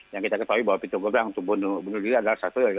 yang kita ketahui bahwa pintu gerbang untuk bunuh diri adalah satu dari